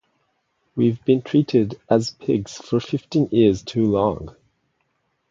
We’ve been treated as pigs for fifteen years too long.